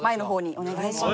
お願いします。